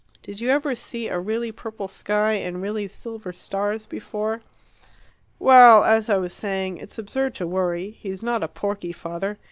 Did you ever see a really purple sky and really silver stars before? Well, as I was saying, it's absurd to worry; he's not a porky father.